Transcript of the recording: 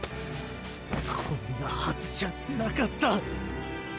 こんなはずじゃなかった。